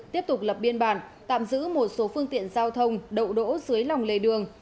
tiếp tục lập biên bản tạm giữ một số phương tiện giao thông đậu đỗ dưới lòng lề đường